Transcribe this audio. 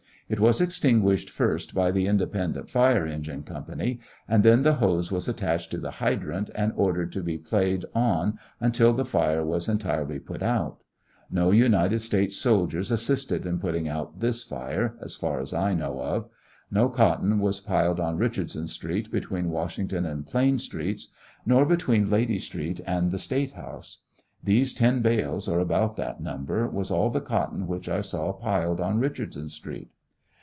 It was extinguished first by the Independent Fire Engine Company, and then the hose was attached to the Hydrant, and ofdered to be played on until the fire was entirely put out. No United States soldiers assisted in putting out this fire, as far as 1 know of. No cotton was piled on Eichard son street, between Washington and Plain streets, nor between Lady street and the State house. These ten bales, or about that number, was all the cotton which I saw piled on Eichardson street.